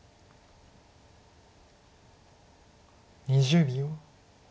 ２０秒。